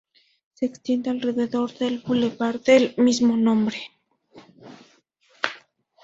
Se extiende alrededor del bulevar del mismo nombre.